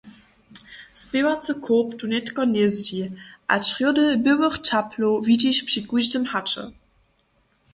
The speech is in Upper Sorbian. Spěwacy kołp tu nětko hnězdźi a črjódy běłych čaplow widźiš při kóždym haće.